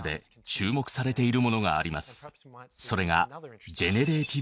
それが。